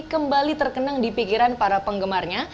kembali terkenang di pikiran para penggemarnya